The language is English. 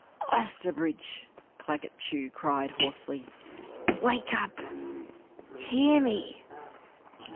Osterbridge!" Claggett Chew cried hoarsely. "Wake up! Hear me!